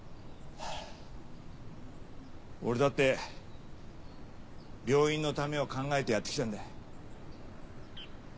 俺だって病院のためを考えてやってきたんだ。